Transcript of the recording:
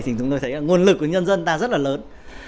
thì chúng tôi thấy nguồn lực của nhân dân ta rất là lớn